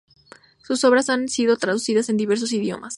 Sus obras han sido traducidas a diversos idiomas.